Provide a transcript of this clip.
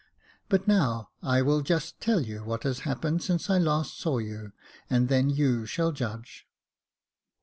But now, I will just tell you what has happened since I last saw you, and then you shall judge."